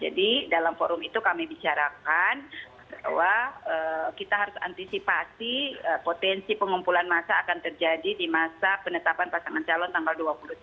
jadi dalam forum itu kami bicarakan bahwa kita harus antisipasi potensi pengumpulan masa akan terjadi di masa penetapan pasangan calon tanggal dua puluh tiga